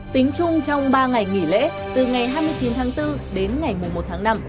tính chung trong ba ngày nghỉ lễ từ ngày hai mươi chín tháng bốn đến ngày một tháng năm